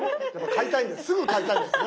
すぐ買いたいんですね。